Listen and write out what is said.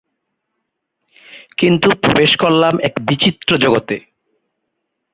কিন্তু প্রবেশ করলাম এক বিচিত্র জগতে।